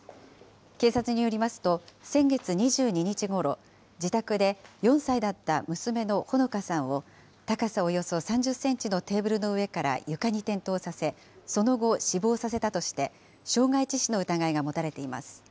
警察によりますと、先月２２日ごろ、自宅で４歳だった娘のほのかさんを、高さおよそ３０センチのテーブルの上から床に転倒させ、その後、死亡させたとして、傷害致死の疑いが持たれています。